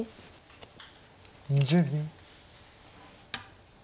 ２０秒。